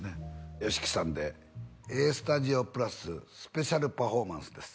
ＹＯＳＨＩＫＩさんで「ＡＳＴＵＤＩＯ＋」スペシャルパフォーマンスです